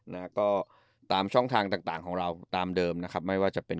นะฮะก็ตามช่องทางต่างต่างของเราตามเดิมนะครับไม่ว่าจะเป็น